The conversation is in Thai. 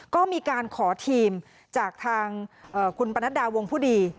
ก็มีการขอทีมจากทางคุณปนัดดาวงผู้ดี